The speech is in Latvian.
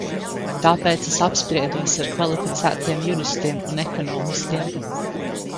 Tāpēc es apspriedos ar kvalificētiem juristiem un ekonomistiem.